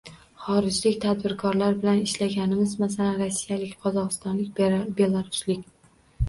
Xorijlik tadbirkorlar bilan ishlaganmiz, masalan, rossiyalik, qozog‘istonlik, belaruslik